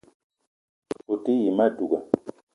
O te yi ma douga